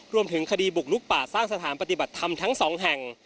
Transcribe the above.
รวมถึงคดีบุกลุกป่าสร้างสถานปฏิบัติธรรมทั้งสองแห่ง